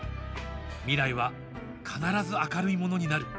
未来は必ず明るいものになる。